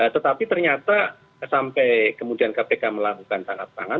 tetapi ternyata sampai kemudian kpk melakukan tanggap tangan